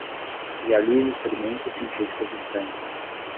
Realize experimentos científicos estranhos